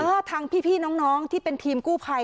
ทางพี่น้องที่เป็นทีมกู้ภัย